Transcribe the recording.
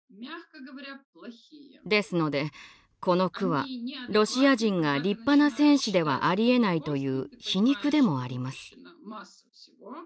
ですのでこの句はロシア人が立派な戦士ではありえないという皮肉でもあります。